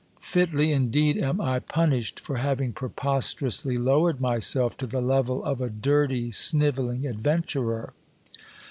Fitly indeed am I punished for having preposterously lowered myself to the level of a dirty, snivelling adventurer.